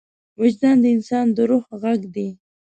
وجدان د انسان د روح غږ دی.